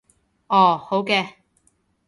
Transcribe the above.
哦，好嘅